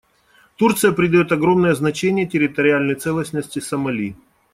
Турция придает огромное значение территориальной целостности Сомали.